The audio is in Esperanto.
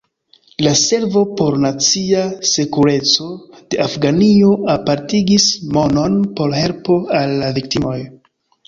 La Servo por nacia sekureco de Afganio apartigis monon por helpo al la viktimoj.